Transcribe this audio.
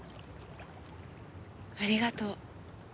ありがとう。